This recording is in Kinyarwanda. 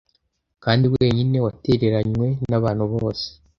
kandi wenyine watereranywe n'abantu bose